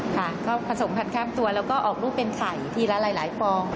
ค่ะก็ผสมผัดข้ามตัวแล้วก็ออกลูกเป็นไข่ทีละหลายฟอง